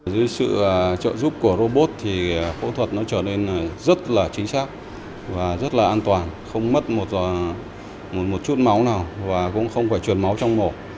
dưới sự trợ giúp của robot thì phẫu thuật nó trở nên rất là chính xác và rất là an toàn không mất một chút máu nào và cũng không phải chuyển máu trong mổ